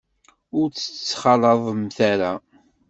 Ur tt-ttxalaḍemt ara.